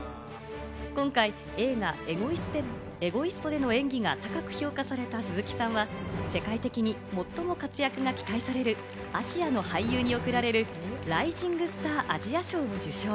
今回、映画『エゴイスト』での演技が高く評価された鈴木さんは、世界的に最も活躍が期待されるアジアの俳優に贈られるライジングスター・アジア賞を受賞。